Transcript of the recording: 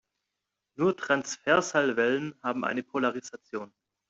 Nur Transversalwellen haben eine Polarisation.